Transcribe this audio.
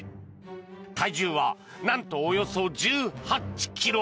体重は、なんとおよそ１８ｋｇ。